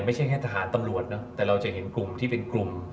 ไม่ใช่แค่ทหารตำรวจนะแต่เราจะเห็นกลุ่มที่เป็นกลุ่ม